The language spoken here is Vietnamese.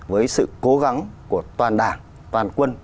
với sự cố gắng của toàn đảng toàn quân